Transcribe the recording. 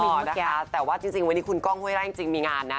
น้องเมลอ๋อนะคะแต่ว่าจริงวันนี้คุณก้องเฮ้ยไล่จริงมีงานนะ